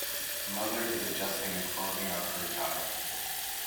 A mother is adjusting the clothing of her child.